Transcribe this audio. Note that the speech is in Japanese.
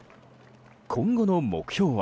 今後の目標は。